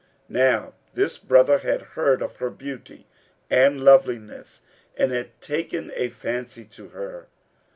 Now this brother had heard of her beauty and loveliness and had taken a fancy to her.